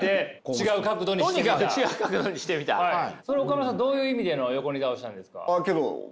岡村さんどういう意味での横に倒したんですか？